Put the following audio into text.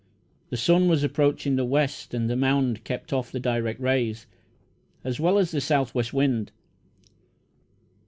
The sun was approaching the west, and the mound kept off the direct rays, as well as the south west wind.